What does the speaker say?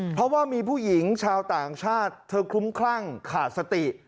เพราะว่ามีผู้หญิงชาวต่างชาติเธอคลุ้มคลั่งขาดสติ